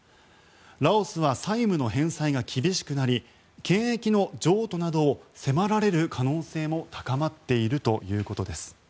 ラオスは債務の返済が厳しくなり権益の譲渡などを迫られる可能性も高まっているということです。